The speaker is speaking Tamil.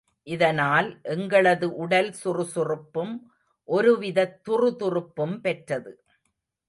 இதனால், எங்களது உடல் சுறுசுறுப்பும் ஒருவிதத் துறுதுறுப்பும் பெற்றது.